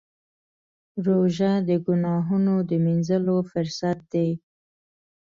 روژه د ګناهونو د مینځلو فرصت دی.